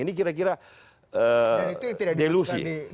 ini kira kira delusi